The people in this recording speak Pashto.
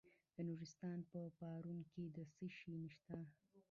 د نورستان په پارون کې څه شی شته؟